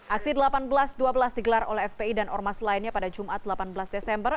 aksi delapan belas dua belas digelar oleh fpi dan ormas lainnya pada jumat delapan belas desember